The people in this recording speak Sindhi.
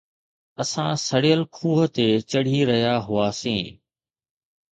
اسان سڙيل کوهه تي چڙهي رهيا هئاسين